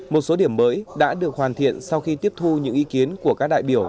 một số điểm mới đã được hoàn thiện sau khi tiếp thu những ý kiến của các đại biểu